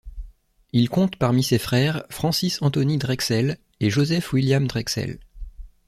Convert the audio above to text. Il compte parmi ses frères Francis Anthony Drexel et Joseph William Drexel.